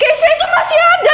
keisha itu masih ada